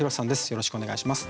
よろしくお願いします。